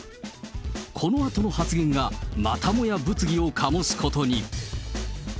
このあとの発言が、またもや物議を醸すことに。